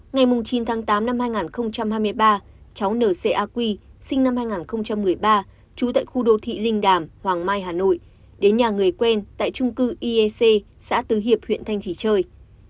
ngày chín tháng tám năm hai nghìn hai mươi ba cháu nca quy sinh năm hai nghìn một mươi ba trú tại khu đô thị linh đàm hoàng mai hà nội đến nhà người quen tại trung cư iec xã tứ hiệp huyện thanh trì chơi